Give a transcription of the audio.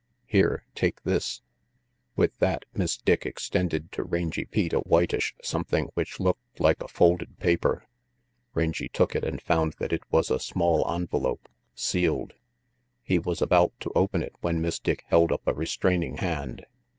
Here, take this." With that, Miss Dick extended to Rangy Pete a whitish something which looked like a folded paper. Rangy took it and found that it was a small envelope, sealed. He was about to open it when Miss Dick held up a restraining hand.